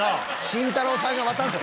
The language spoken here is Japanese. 慎太郎さんが渡すか！